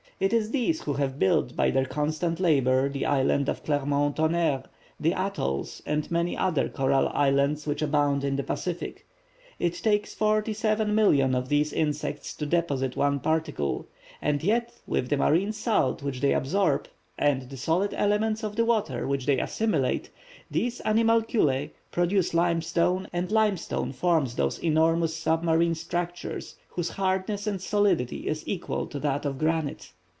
"It is these who have built by their constant labor the Island of Clermont Tonnerre, the Atolls and many other coral islands which abound in the Pacific. It takes 47,000,000 of these insects to deposit one particle; and yet with the marine salt which they absorb, and the solid elements of the water which they assimilate, these animalculæ produce limestone, and limestone forms those enormous submarine structures whose hardness and solidity is equal to that of granite.